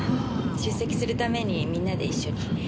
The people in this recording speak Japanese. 出席するためにみんなで一緒に。